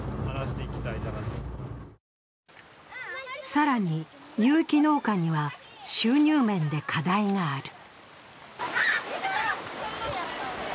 更に、有機農家には収入面で課題がある。